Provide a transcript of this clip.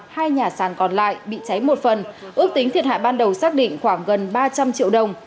hai nhà sàn còn lại bị cháy một phần ước tính thiệt hại ban đầu xác định khoảng gần ba trăm linh triệu đồng